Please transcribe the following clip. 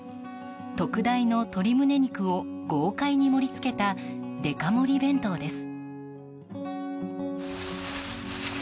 特大の鳥胸肉を豪快に盛り付けたデカ盛り弁当です。